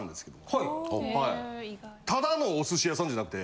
ただのお寿司屋さんじゃなくて。